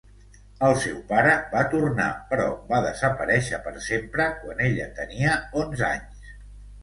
El seu pare va tornar però va desaparèixer per sempre quan ella tenia onze anys.